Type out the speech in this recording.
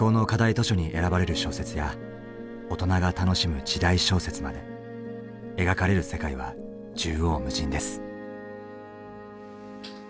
図書に選ばれる小説や大人が楽しむ時代小説まで描かれる世界は縦横無尽です。